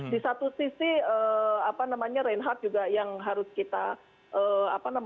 di satu sisi apa namanya reinhardt juga yang harus kita apa namanya